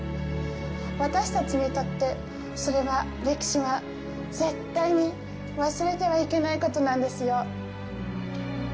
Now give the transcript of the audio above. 私たちにとって、それは歴史は絶対に忘れてはいけないことなんですよ。